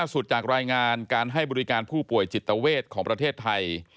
สุดจากรายงานการให้บริการผู้ป่วยจิตเวทของประเทศไทย